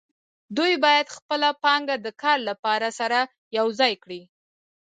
دوی باید خپله پانګه د کار لپاره سره یوځای کړي